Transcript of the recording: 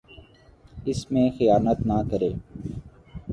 اس میں خیانت نہ کرے